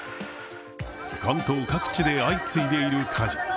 関東各地で相次いでいる火事。